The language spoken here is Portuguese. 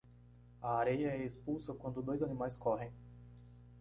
A areia é expulsa quando dois animais correm